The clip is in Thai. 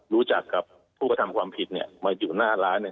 รู้จักกับผู้กระทำความผิดเนี่ยมาอยู่หน้าร้านเนี่ย